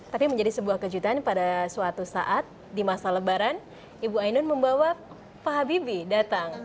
tapi menjadi sebuah kejutan pada suatu saat di masa lebaran ibu ainun membawa pak habibie datang